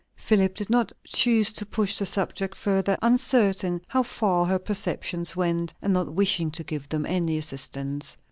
Philip did not choose to push the subject further, uncertain how far her perceptions went, and not wishing to give them any assistance.